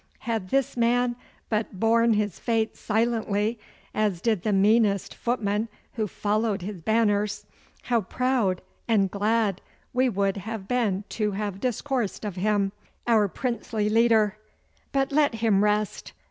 Had this man but borne his fate silently, as did the meanest footman who followed his banners, how proud and glad would we have been to have discoursed of him, our princely leader. But let him rest.